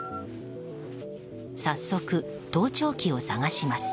早速、盗聴器を探します。